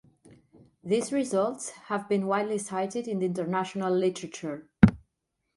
These results have been widely cited in the international literature.